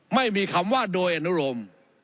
ไม่มีคำว่าโดยอนุโรม